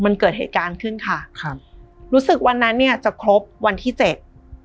มันเกิดเหตุการณ์ขึ้นค่ะครับรู้สึกวันนั้นเนี้ยจะครบวันที่เจ็ด